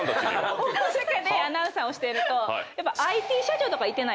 大阪でアナウンサーをしてると。